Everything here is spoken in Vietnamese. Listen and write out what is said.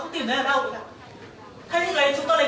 trong phiên tảng thảo đồng là cam kết là tháng sáu